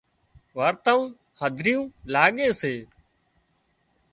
وارتائون هڌريون لاڳي سي